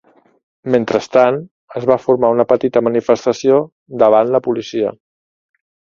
Mentrestant, es va formar una petita manifestació davant la policia.